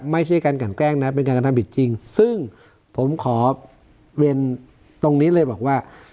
ไม่ใช่การกันแกล้งนะเป็นการกระทำผิดจริงซึ่งผมขอเวียนตรงนี้เลยบอกว่า